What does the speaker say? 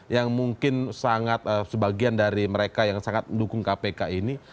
yang mungkin sangat sebagian dari mereka yang sangat mendukung kpk ini